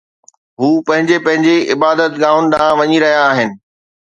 هو پنهنجي پنهنجي عبادت گاهن ڏانهن وڃي رهيا آهن